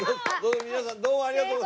皆さんどうもありがとう。